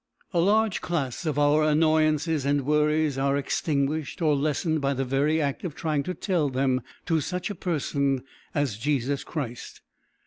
A large class of our annoyances and worries are extinguished or lessened by the very act of trying to tell them to such a person as Jesus Christ.